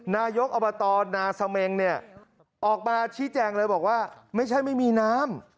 นายกอบตนาเสมงเนี่ยออกมาชี้แจงเลยบอกว่าไม่ใช่ไม่มีน้ำ